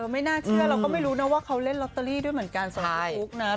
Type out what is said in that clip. ไม่น่าเชื่อเราก็ไม่รู้นะว่าเขาเล่นลอตเตอรี่ด้วยเหมือนกันส่วนพี่บุ๊กนะ